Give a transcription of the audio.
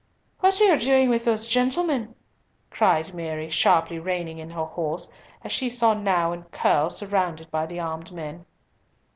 "What are you doing with those gentlemen?" cried Mary, sharply reining in her horse, as she saw Nau and Curll surrounded by the armed men.